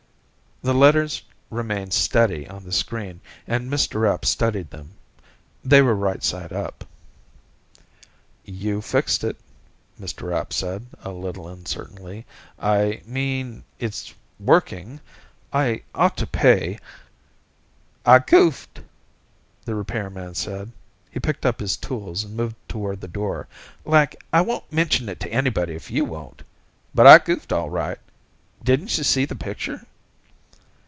The letters remained steady on the screen, and Mr. Rapp studied them. They were right side up. "You fixed it," Mr. Rapp said, a little uncertainly. "I mean, it's working. I ought to pay...." "I goofed," the repairman said. He picked up his tools, and moved toward the door. "Like, I won't mention it to anybody if you won't. But I goofed, all right. Didn't you see the picture?"